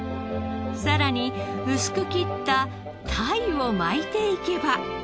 さらに薄く切った鯛を巻いていけば。